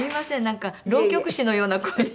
なんか浪曲師のような声に。